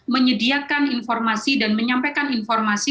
menyediakan informasi dan menyampaikan informasi